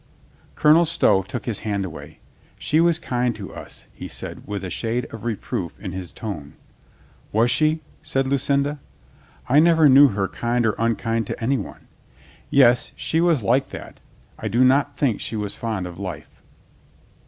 Colonel Stow took his hand away. "She was kind to us," he said with a shade of reproof in his tone. "Was she?" said Lucinda. "I never knew her kind or unkind to any one. Yes, she was like that. I do not think she was fond of life."